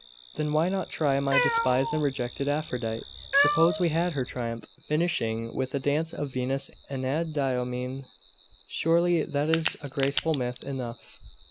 'Then why not try my despised and rejected Aphrodite? Suppose we had her triumph, finishing with a dance of Venus Anadyomene. Surely that is a graceful myth enough.